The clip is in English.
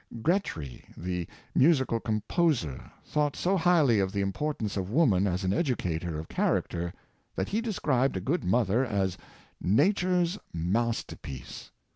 Gretry, the musical composer, thought so highly of the importance of woman as an educator of character, that he described a good rriother as " Nature's master piece."